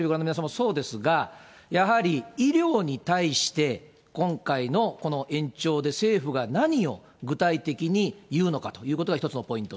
そうですが、やはり医療に対して、今回のこの延長で政府が何を具体的に言うのかということが、一つのポイント。